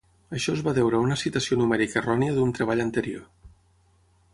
Això es va deure a una citació numèrica errònia d'un treball anterior.